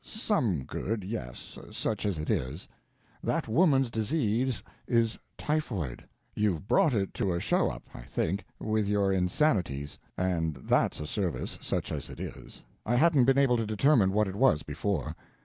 Some good, yes such as it is. That woman's disease is typhoid! You've brought it to a show up, I think, with your insanities, and that's a service such as it is. I hadn't been able to determine what it was before."